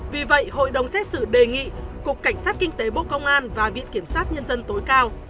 vì vậy hội đồng xét xử đề nghị cục cảnh sát kinh tế bộ công an và viện kiểm sát nhân dân tối cao